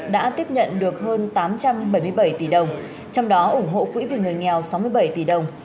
đã tiếp nhận được hơn tám trăm bảy mươi bảy tỷ đồng trong đó ủng hộ quỹ vì người nghèo sáu mươi bảy tỷ đồng